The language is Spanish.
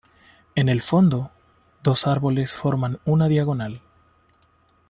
En el fondo, dos árboles forman una diagonal.